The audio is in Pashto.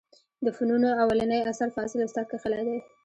د فنونو اولنى اثر فاضل استاد کښلى دئ.